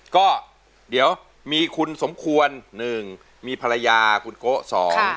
ก็เดี๋ยวมีคุณสมควรหนึ่งมีภรรยาคุณโกะสอง